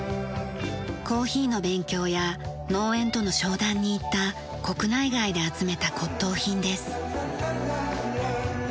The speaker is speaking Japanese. コーヒーの勉強や農園との商談に行った国内外で集めた骨董品です。